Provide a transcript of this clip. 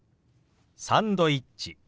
「サンドイッチ」。